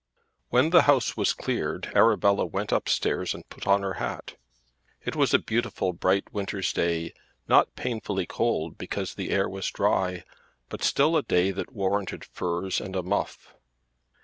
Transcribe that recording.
When the house was cleared Arabella went upstairs and put on her hat. It was a bright beautiful winter's day, not painfully cold because the air was dry, but still a day that warranted furs and a muff.